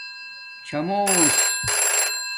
چݳمس